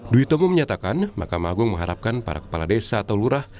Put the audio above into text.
dwi tomo menyatakan mahkamah agung mengharapkan para kepala desa atau lurah